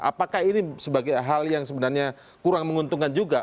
apakah ini sebagai hal yang sebenarnya kurang menguntungkan juga